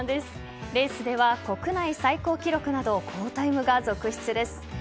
レースでは国内最高記録など好タイムが続出です。